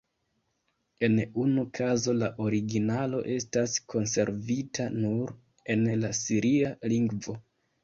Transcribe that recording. En unu kazo la originalo estas konservita nur en la siria lingvo.